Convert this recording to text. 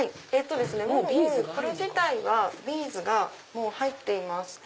これ自体はビーズが入っています。